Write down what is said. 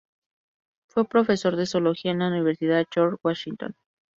Fue profesor de zoología en la Universidad George Washington.